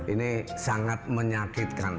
ini sangat menyakitkan